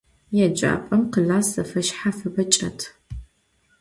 Yêcap'em klass zefeşshafıbe çç'et.